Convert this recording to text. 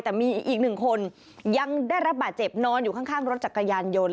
แต่มีอีกหนึ่งคนยังได้รับบาดเจ็บนอนอยู่ข้างรถจักรยานยนต์